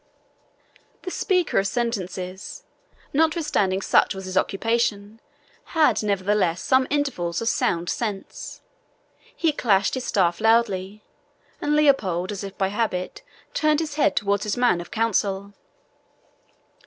The speaker of sentences, notwithstanding such was his occupation, had nevertheless some intervals of sound sense. He clashed his staff loudly, and Leopold, as if by habit, turned his head towards his man of counsel.